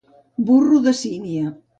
Burro de sínia.